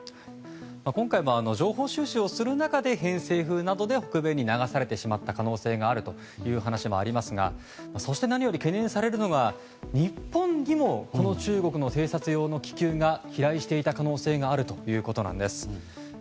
今回は情報収集する中で偏西風などで北米に流されてしまった可能性があるという話もありますがそして何より懸念されるのが日本にもこの中国の偵察用の気球が飛来していた可能性があるということなんです。